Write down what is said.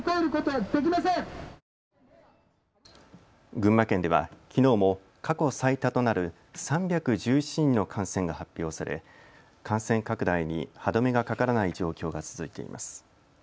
群馬県では、きのうも過去最多となる３１７人の感染が発表され感染拡大に歯止めがかからない状況が続いています。